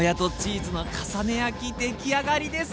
出来上がりです！